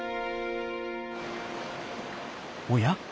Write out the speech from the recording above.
おや？